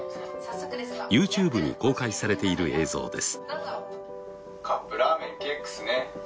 ＹｏｕＴｕｂｅに公開されている映像です。